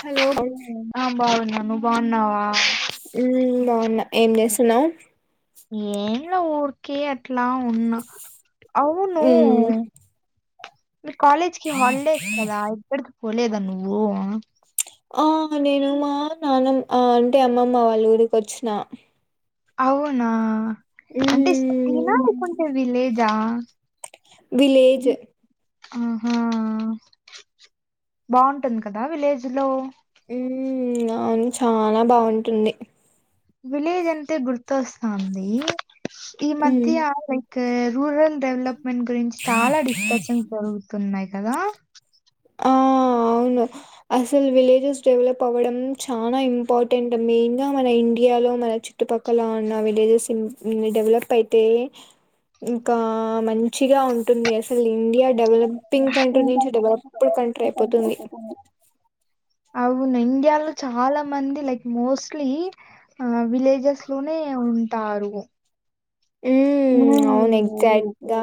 Hello అమ్మ బన్నావా ఏం చేస్తున్నవ్? ఏంలే ఊర్కి అట్లా ఉన్న, అవును ఉమ్ మీ కాలేజ్ కి హాలిడేస్ కదా, ఎప్పడికీ పోలేదా నువ్వు ఆ నేను మా నాన్నమ్ అంటే ఆ అమ్మమ్మ వాళ్ళ ఊరికి వచ్చిన. అవునా అంటే ఉమ్ సిటీనా, లేకుంటే విలేజా? విలేజ్ ఆహా బాగుంటుంది కదా విలేజ్ లో. ఉమ్ అవును చాలా బాగుంటుంది. విలేజ్ అంటే గుర్తొస్తాంది, ఈ ఉమ్ మధ్య లైక్ రూరల్ డెవలప్మెంట్ గురించి చాలా డిస్కషన్స్ జరుగుతున్నయ్ కదా. నో అసల్ విలేజెస్ డెవలప్ అవ్వడం చాల ఇంపార్టెంట్, మెయిన్ గా మన ఇండియా లో మన చుట్టుపక్కల ఉన్న విలేజెస్ ఇం డెవలప్ అయితే ఇంకా మంచిగా ఉంటుంది అస్ అసలు ఇండియా డెవలపింగ్ కంట్రీ నుంచి డెవలప్డ్ కంట్రీ అయిపోతుంది. ంట అవును ఇండియాలో చాలా మంది లైక్ మోస్ట్లీ ఆ విలేజెస్ లోనే ఉంటారు. ఉమ్ అవును ఎగ్జాక్ట్గా,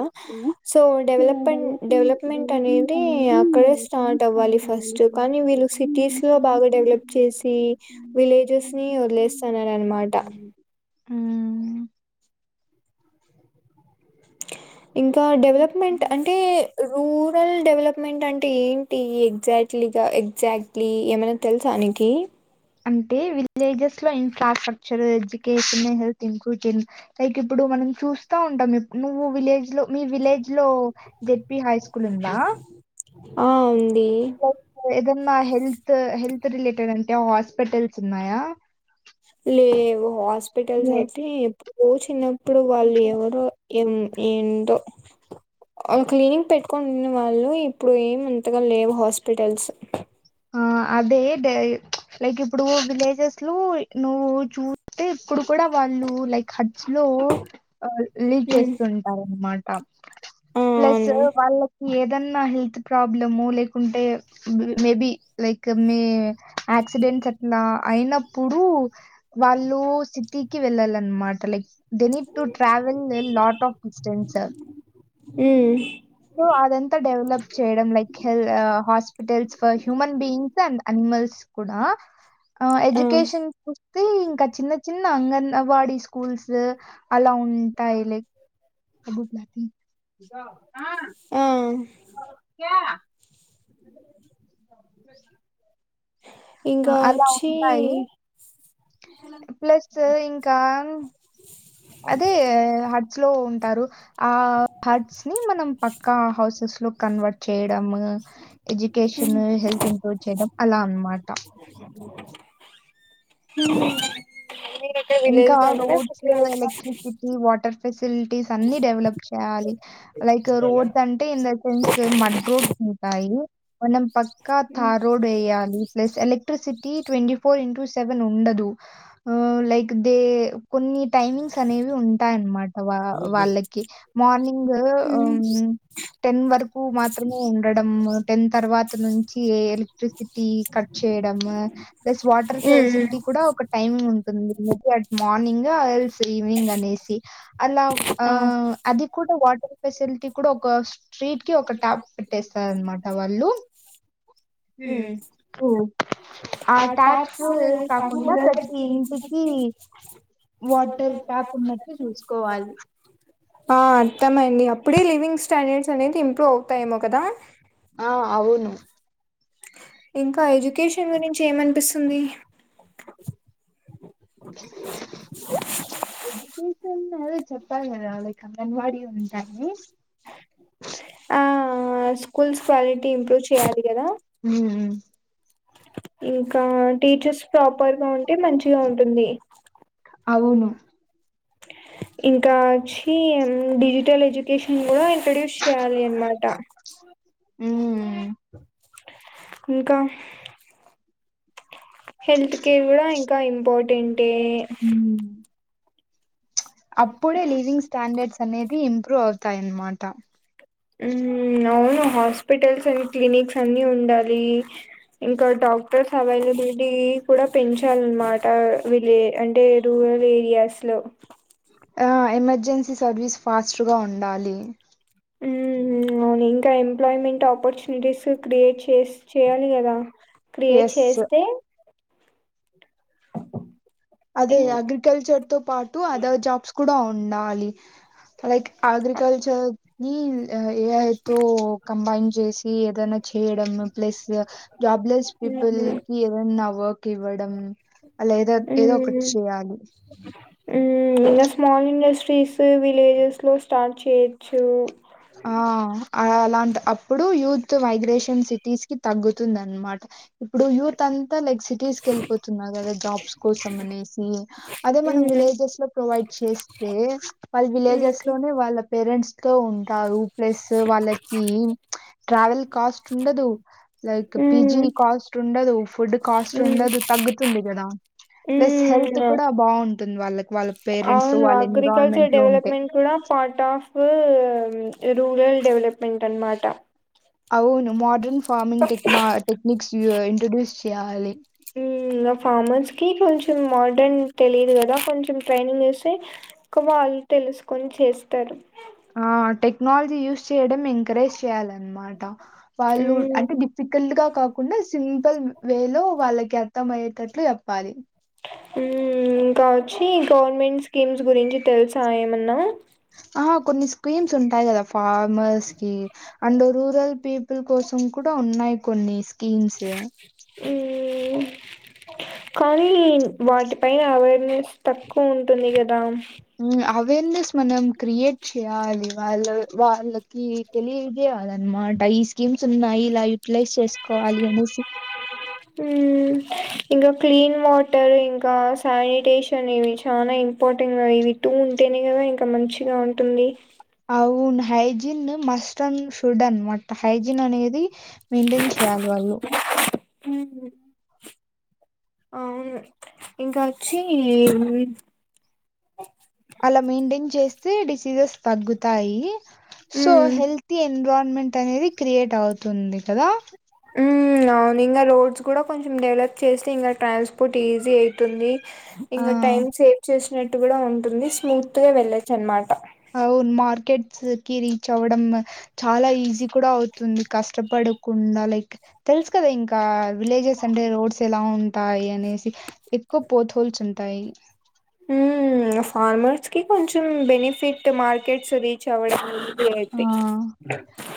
సో డెవలప్మెంట్ డెవలప్మెంట్ అనేది అక్కడే స్టార్ట్ చాలా అవ్వాలి ఫస్ట్, డెవలప్మెంట్ కానీ వీళ్ళు సిటీస్ లో బాగా డెవలప్ చేసి వీలే జెస్ ని వదిలేస్తారనమాట మ్మ్. ఇంకా డెవలప్మెంట్ అంటే రూరల్ ల్ డెవలప్మెంట్ అంటే ఏంటి ఎగ్జాక్ట్లీగా, ఎగ్జాక్ట్లీ ఏమైనా తెలుసానికి అంటే విలేజెస్ లో infrastructure, education, health improve like ఇప్పుడు మనం చూస్తా ఉంటాంప్పుడు నువ్వు విలేజ్ లో మీ విలేజ్ లో జెడ్పీ హై స్కూల్ ఉందా? ఆ ఉం ట్ల ఏదన్ మా హెల్త్ హెల్త్ రిలేటెడ్ అంటే హాస్పిటల్స్ ఉన్నాయా? లేవు హాస్పిటల్స్ లే అయితే ఎప్పుడో చిన్న ఇప్పుడు వాళ్ళు ఎవరో ఏం ఏంటో క్లినిక్ పెట్టుకొని ఉన్న వాళ్ళు ఇప్పుడు ఏం అంతగా లేవు హాస్పిటల్స్. ఆ అదే ప్చ్ లైక్ ఇప్పుడు విలేజెస్ లో నువ్వు చూస్తే ఇప్పుడు కూడా వాళ్ళు లైక్ హట్స్ లో లీడ్ ఉమ్ చేస్తుంటారు అనమా ఆ ప్లస్ అవును వాళ్ళ ఏదన్నా హెల్త్ ప్రాబ్లము, లేకుంటే మేబి లైక్ మీ యాక్సిడెంట్స్ అట్లా అయినప్పుడు వాళ్ళు సిటీ కి వెళ్ళాలన్నమాట like they need to travel then lot of distance um so అదంతా డెవలప్ చేయడం లైక్ హెల్ హాస్పిటల్స్ ఫ బీయింగ్ అండ్ అనిమల్స్ కూడా ఆ ఎజుకేషన్ అయితే ఇంకా చిన్న చిన్న అంగన్వాడీ స్కూల్స్ అలా ఉంటాయి లైక్ కబుతలాతి ఆ క ఇంకా అలా వచ్చి ఉంటాయి. ప్లస్ ఇంకా అదే హట్స్ లో ఉంటారు, ఆ హట్స్ ని మనం పక్కా హౌసెస్ లో కన్ కన్వర్ట్ చేయడం ఎడ్యుకేషన్ హెల్త్ ఇంప్రూవ్ చేయడం అలా అనమాట మీరైతే ఇంకా విలేజ్ లో ఉంటారా రోడ్స్ సిటీ లో ఉంటారా ఎలక్ట్రిసిటీ వాటర్ ఫెసిలిటీస్ అన్ని డెవలప్ చేయాలి. లైక్ రోడ్స్ అంటే in the sense mud roads ఉంటాయి. మనం పక్కా ఉమ్ థార్ రోడ్ వేయాలి ప్లస్ ఎలక్ట్రిసిటి టి ట్వంటి ఫోర్ ఇంటూ సెవెన్ ఉండదు లైక్ దే కొన్ని టైమింగ్స్ అనేవి ఉంటాయన్నమాట వా వాళ్ళకి మార్నింగ్ ఉమ్ ఉహ్ టెన్ వరకు మాత్రమే ఉండడం టెన్ తర్వాత నుంచి ఏ ఎలక్ట్రిసిటీ కట్ చే చేయడము ప్లస్ వాటర్ ఉమ్ ఉమ్, ఫెసిలిటీ కూడా ఒక టైమింగ్ ఉండ్ టుంది at morning also three evening అనేసి అలా ఆ అది కూడా వాటర్ ఫెసిలిటీ కూడా ఒక స్ట్రి స్ట్రీట్ కి ఒక టాప్ పెట్టేస్తారు అనమాట వాళ్ళు ఉమ్ ఆ ట్యాప్స్ కాకుండా ప్రతి ఇంటికి వాటర్ ట్యాప్ ఉన్నట్టు చూసుకోవాలి. ఆ అర్థమయింది అప్పుడే లివింగ్ స్టాండర్డ్స్ అనేవి ఇంప్రూవ్ అవుతాయేమో కదా ఆ అవును ఇంకా ఎడ్యుకేషన్ గురించి ఏమనిపిస్తుంది ఎజ్యుకేషన్ అదే చెప్ప కదా లైక్ అంగన్వాడి ఉంటాయని. ఆహ్ స్కూల్స్ క్వాలిటీ ఇంప్రూవ్ చేయాలి కదా ఉమ్. ఇంకా టీచర్స్ ప్రాపర్ గా ఉంటే మంచిగా ఉంటుంది. అవును ఇంకా వచ్చి డిజిటల్ ఎజ్యుకేషన్ కుడా ఇంట్రొడ్యూస్ చేయాలి అన్నమాట ఉమ్. ఇంకా హెల్త్ కేర్ కూడా ఇంకా ఇంపార్టెంటే అప్పుడే లివింగ్ స్టాండర్డ్స్ అనేది ఇంప్రూవ్ అవుతాయి అనమాట హ్మ్ అవును హాస్పిటల్స్ అండ్ క్లినిక్స్ అన్ని ఉండాలి. ఇంకా డాక్టర్స్ అవైలబుల్ లిటి కూడా పెంచాలన్నమాట విలే అంటే రూరల్ ఏరియాస్ లో ఆ ఎమర్జెన్సీ సర్వీస్ ఫాస్ట్గా ఉండాలి. హ్మ్ అవును ఇంకా ఎంప్లాయ్మెంట్ ఆపర్చునిటీస్ క్రియేట్ చేసి చేయాలి కదా క్రియేట్ ఎస్ చేస్తే అదే ఇం అగ్రికల్చర్ తో పాటు అదర్ జాబ్స్ కూడా ఉండాలి. లైక్ అగ్రికల్చర్ హ్మ్ ఏ అయితే కంబైన్ చేసి ఏదైనా చేయడం ప్లస్ జాబ్లెస్ పీపుల్ ఉమ్ కి ఏదన్నా వర్క్ ఇవ్వడం అలా ఏదో ఏదో ఒకటి చేయాలి హ్మ్ ఇంగా స్మాల్ ఇండస్ట్రీస్ విలేజెస్ లో స్టార్ట్ చేయొచ్చు ఆహ్ అ అలాంటి అప్పుడు యూత్ వైగ్రేషన్ సిటీస్ కి తగ్గుతుంది అనమాట ఇప్పుడు యూత్ అంతా లైక్ సిటీస్ కి వెళ్ళిపోతున్నారు కదా జాబ్స్ కోసం అనేసి అదే మనం విల్ ఉమ్ విలేజెస్ లో ప్రొవైడ్ చేస్తే వాళ్ళ విలేజెస్ ఉమ్ లోనే వాళ్ళ పేరెంట్స్ తో ఉంటారు ప్లస్ వాళ్ళకి ట్రావెల్ కాస్ట్ ఉండదు. లైక్ పీజీ కాస్ట్ ఉండదు ఫుడ్ కాస్ట్ ఉమ్ ఉండదు తగ్గుతుంది కదా ప్లస్ హెల్త్ ఉమ్ కూడా బాగుంటుంది వాళ్ళకి వాళ్ళ పేరెంట్స్ అవును వాళ్ళ ఎన్విరాన్మెంట్ అగ్రికల్చర్ లో ఉంటే డెవలప్మెంట్ కూడా పార్ట్ ఆఫ్ రూరల్ డెవలప్మెంట్ అనమాట అవును మోడ్రన్ ఫార్మింగ్ టెక్న టెక్నిక్స్ ఇంట్రడ్యూస్ చేయాలి. ఉహ్ ఇంగా ఫార్మర్స్ కి కొంచెం మోడ్రన్ తెలిదు కదా కొంచెం ట్రైనింగ్ ఇస్తే ఇంకా వాళ్లు మ్మ్ తెలుస్కొని చేస్తారు. ఆ టెక్నోల్జి యూస్ చేయడం ఎంకరేజ్ చేయాలన్మాట. వాళ్ళు హ్మ్ అంటె డిఫికల్ట్ గా కాకుండా ఇస్ సింపుల్ వే లో వాళ్ళకి అర్థం అయ్యేటట్లు యెప్పాలి. ఊ ఇంకా ఒచ్చీ గవర్నమెంట్ స్కీమ్స్ గురించి తెల్సా ఏమన్నా. ఆ కొన్ని స్కీమ్స్ ఉంటాయి గదా ఫార్మర్స్ కి అండ్ రూరల్ పీపుల్ కోసం కుడా ఉన్నాయ్ కొన్ని స్కీమ్స్. మ్మ్ కానీ వాటిపైన అవేర్నెస్ తక్కువుంటుంది గదా. మ్మ్ అవేర్నెస్ మనం క్రియేట్ చేయాలి వాళ్ళ వాళ్ళకి తెలియజేయాలన్నమాట. ఈ స్కీమ్స్ ఉన్నాయి ఇలా యుటిలైజ్ చేస్కోవాలి అనేసి. ఊ ఇంక క్లీన్ వాటర్ ఇంకా శానిటేషన్ ఇవి చానా ఇంపార్టెంట్ కద ఇవి టూ ఉంటేనే గదా ఇంక మంచిగా ఉంటుంది. అవున్ హైజిన్ మస్ట్ అన్ షుడ్ అన్ మాట హైజిన్ అనేది మెయింటెయిన్ చేయాలి వాళ్లు. ఊహు అవును ఇంక ఒచ్చీ అలా మెయింటైన్ చేస్తే డిసీజెస్ తగ్గుతాయి సో ఉమ్ హెల్తీ ఎన్ ఎన్విరాన్మెంట్ అనేది క్రియేట్ అవుతుంది కద. మ్మ్ అవును ఇంకా రోడ్స్ కూడా కొంచెం డెవలప్ చేస్తే ఇంకా ట్రాన్స్పోర్ట్ ఈజీ అయితుందీ. ఇంగ ఆ టైమ్ సేవ్ చేసినట్టు గుడా ఉంటుంది స్మూత్ గా వెళ్ళొచ్చు అన్మాట అవును మార్కెట్స్ కి రీచ్ అవడం చాలా ఈజీ కూడా అవుతుంది కష్టపడకుండ లైక్ తెలుసు కదా ఇంకా విలేజెస్ అం అంటే రోడ్స్ ఎలా ఉంటాయి అనేసి ఎక్కువ పోత్హోల్స్ ఉంటాయి. మ్మ్ ఫార్మర్స్ కి కొంచెం బెనిఫిట్ మార్కెట్స్ రీచ్ అవ్వడం. ఆ అయితే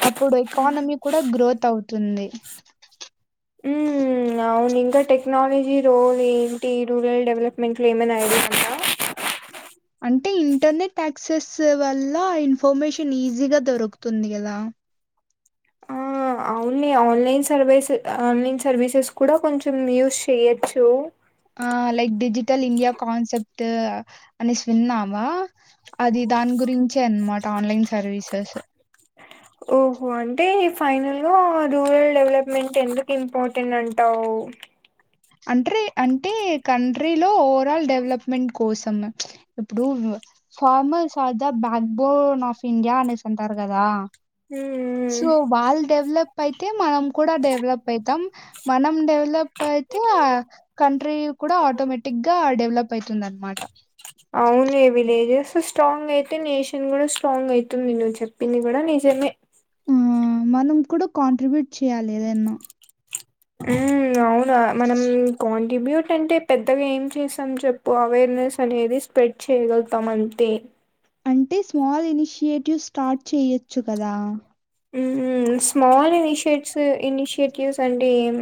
అప్పుడు ఎకానమీ కూడా గ్రోత్ అవుతుంది. ఊ అవును ఇంకా టెక్నాలజీ రోల్ ఏంటి రూరల్ డెవలప్మెంట్లో ఏమైనా ఐడియా ఉందా. [inaudible] అంటె ఇంటర్నెట్ యాక్సెస్ వల్ల ఇన్ఫర్మేషన్ ఈజీగా దొరుకుతుంది గదా. అ అవుని ఆన్లైన్ సర్వీసె ఆన్లైన్ సర్వీసెస్ కుడా కొంచెం యూస్ చేయచ్చూ ఆ లైక్ డిజిటల్ ఇండియా కాన్సెప్ట్ అనేసి విన్నామా. అది దాని గురించే అన్మాట ఆన్లైన్ సర్వీసెస్. ఓహో అంటే ఫైనల్గా రూరల్ డెవలప్మెంట్ ఎందుకు ఇంపార్టెంట్ అంటావ్. అంట్రే అంటే కంట్రీలో ఓవరాల్ డెవలప్మెంట్ కోసం ఇప్పుడూ ఫార్మర్స్ ఆర్ ద బ్యా బ్యాక్బోన్ ఆఫ్ ఇండియా అనేసి అంటారు కదా. మ్మ్ సో వాళ్ డెవలప్ అయితే మనం కూడా డెవలప్ అయితాం మనం డెవలప్ అయి ఆ కంట్రీ కుడా ఆటోమెటిక్ గా డెవలప్ అయితుందన్మాట. అవున్ యే విలేజెస్ స్ట్రాంగ్ అయితే నేషన్ కూడా స్ట్రాంగ్ అయితుందిగ చెప్పింది కూడా నిజమే. ఆ మనం కూడ కాంట్రిబ్యూట్ చేయ్యాలి ఏదన్న. ఊ అవునా మనం కాం డిబ్యూట్ అంటే పెద్దగా ఏం చేసాం చెప్పు అవేర్నెస్ అనేది స్ప్రెడ్ చేయగలుగుతాం అంతే. అంటె స్మాల్ ఇనిషియేటివ్ స్టార్ట్ చేయొచ్చు కదా. ఊహూ స్మాల్ ఇనిషియేట్స్ ఇనిషియేటివ్స్ అంటే ఏం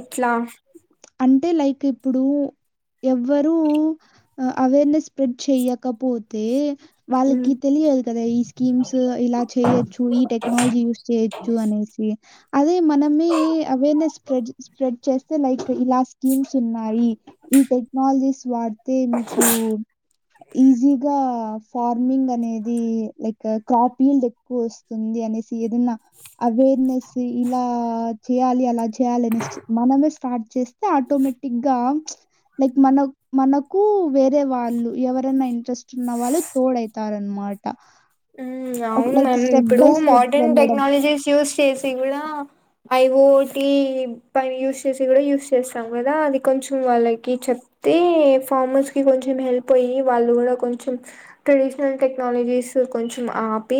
ఎట్లా అంటే లైక్ ఇప్పుడు ఎవ్వరు అవేర్నెస్ స్ప్రెడ్ చెయకపోతే ఉమ్ వాళ్ళకి తెలియదు కదా ఈ స్కీమ్స్ ఇలా చేయొచ్చు ఈ టెక్నాలజీ యూజ్ చేయొచ్చు అనేసి అదే మనమ అవేర్నెస్ప్రడ్ స్ప్రెడ్ చేస్త లైక్ ఇలా స్కీమ్స్ ఉన్నాయి ఈ టెక్నాలజీస్ వా అయితే మీకు ఈజీగా ఫార్మింగ్ అనేది లైక్ కాపీలు ఎక్కువ వస్తుంది అనేసి ఏదన్నా అవేర్నెస్ ఇలా చేయాలి అలా చేయాలి అనిసి మనమే స్టార్ట్ చేస్తే ఆటోమేటిక్ గా లైక్ మన మనకు వేరే వాళ్ళు ఎవరైనా ఇంట్రెస్ట్ ఉన్న వాళ్ళు తోడయతారు మాటా ఉ అవును మ్యామ్ ఇప్పుడు మోడర్న్ వెళ్ళడం. టెక్నాలజీస్ యూజ్ చేసి కూడా ఐ ఓటి పై యూస్ చేసి కూడా యూస్ చేస్తాం కదా అది కొంచెం వాళ్ళకి చెప్ తే ఫార్మర్స్ కి కొంచెం హెల్ప్ అయ్యి వాళ్ళు కూడా కొంచెం ట్రెడిషినల్ టెక్నాలజీస్ కొంచెం ఆపి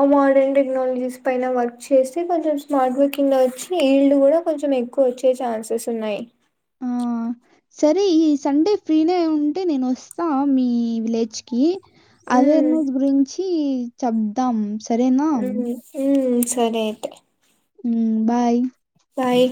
ఆ మోడర్న్ టెక్నాలజీస్ పైన వర్క్ చేస్తే కొంచెం స్మార్ట్ వర్కింగ్ లో వచ్చి ఈల్డ్ కూడా కొంచెం ఎక్కువ వచ్చే ఛాన్సెస్ ఉన్నాయి ఆ సరే ఈ సండే ఫ్రీనే ఉంటే నేను వస్తా మీ విలేజ్ కి అదే ఉమ్ నుజ్ గురించి చెప్దాం సరేనా? ఉ ఉ సరే అయితే ఊ బాయ్ బాయ్